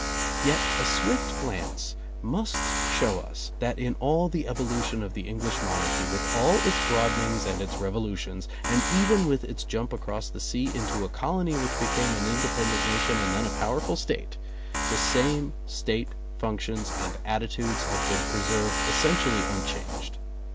Yet a swift glance must show us that in all the evolution of the English monarchy, with all its broadenings and its revolutions, and even with its jump across the sea into a colony which became an independent nation and then a powerful State, the same State functions and attitudes have been preserved essentially unchanged.